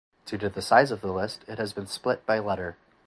Due to the size of the list, it has been split by letter.